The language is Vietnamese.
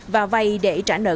và vay để trả nợ